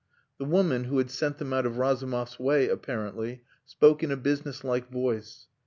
The woman, who had sent them out of Razumov's way apparently, spoke in a businesslike voice.